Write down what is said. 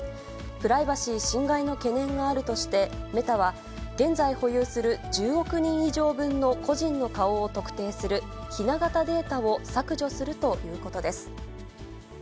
プライバシー侵害の懸念があるとして、メタは、現在保有する１０億人以上分の個人の顔を特定する、ひな型データを削除するということです。